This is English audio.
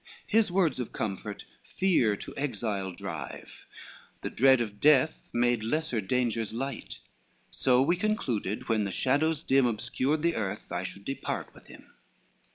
His words of comfort, fear to exile drive, The dread of death, made lesser dangers light: So we concluded, when the shadows dim Obscured the earth I should depart with him.